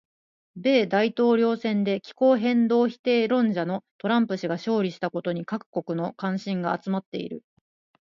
米大統領選で気候変動否定論者のトランプ氏が勝利したことに各国の関心が集まっている。